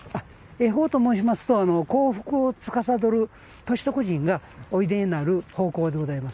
恵方と申しますと幸福をつかさどる歳徳神がおいでになる方向でございます。